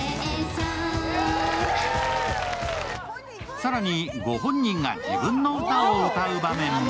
更に、ご本人が自分の歌を歌う場面も。